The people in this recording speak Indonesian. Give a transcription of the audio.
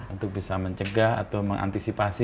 untuk bisa mencegah atau mengantisipasi